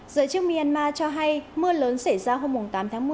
giới chức myanmar cho hay mưa lớn xảy ra hôm tám tháng một mươi